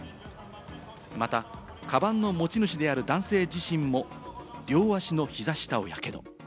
またカバンの持ち主である男性自身も両足の膝下をやけど。